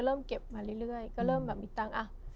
เริ่มเก็บมาเรื่อยก็เริ่มแบบมีตังค์อ่ะ